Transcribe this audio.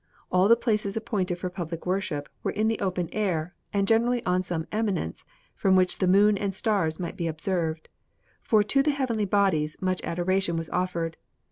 All the places appointed for public worship were in the open air, and generally on some eminence from which the moon and stars might be observed; for to the heavenly bodies much adoration was offered.